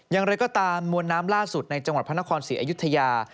อย่างไรก็ตามมวลน้ำล่าสุดในจังหวัดพระนครศรีอยุธยา